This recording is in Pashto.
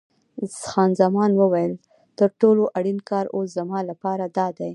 خان زمان وویل: تر ټولو اړین کار اوس زما لپاره دادی.